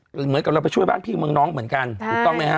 เหมือนกับเราไปช่วยบ้านพี่เมืองน้องเหมือนกันถูกต้องไหมฮะ